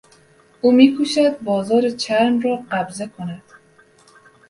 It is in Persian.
او میکوشد بازار چرم را قبضه کند.